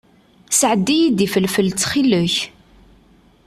Sɛeddi-iyi-d ifelfel, ttxil-k.